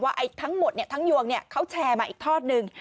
ว่าทั้งหมดเนี่ยทั้งยวงเนี่ยเขาแชร์มาอีกทอดนึง